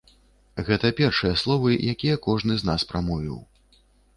Гэта першыя словы, якія кожны з нас прамовіў.